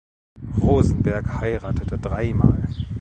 Rosenberg heiratete dreimal.